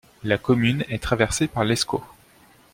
La commune est traversée par l'Escaut.